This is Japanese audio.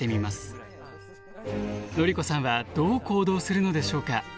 のりこさんはどう行動するのでしょうか？